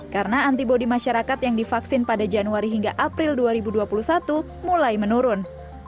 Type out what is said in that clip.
karena antibody masyarakat yang divaksin pada januari hingga april dua ribu dua puluh satu mulai menurun